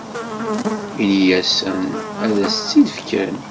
Ini-asen ad as-tt-id-fken.